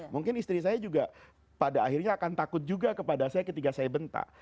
mungkin istri saya juga pada akhirnya akan takut juga kepada saya ketika saya bentak